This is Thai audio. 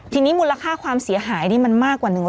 ทีนี้มูลค่าความเสียหายนี่มันมากกว่า๑๐๐